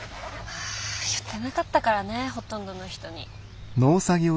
ああ言ってなかったからねほとんどの人に。